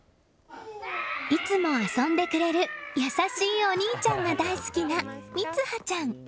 いつも遊んでくれる優しいお兄ちゃんが大好きな三葉ちゃん。